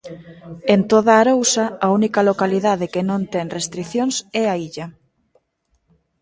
En toda a Arousa a única localidade que non ten restricións é a Illa.